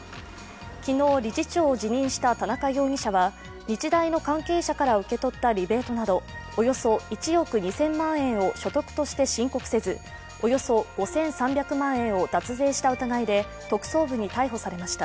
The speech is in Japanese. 昨日、理事長を辞任した田中容疑者は日大の関係者から受け取ったリベートなどおよそ１億２０００万円を所得として申告せずおよそ５３００万円を脱税した疑いで特捜部に逮捕されました。